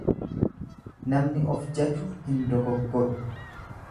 Namni of jaju hin dogoggoru.